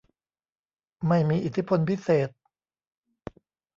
ไม่มีอิทธิพลพิเศษ